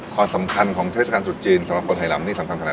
ความสำคัญของเทศกาลจุดจีนสำหรับคนไทยลำนี่สำคัญขนาดไหน